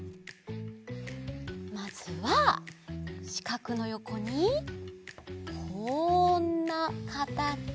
まずはしかくのよこにこんなかたち。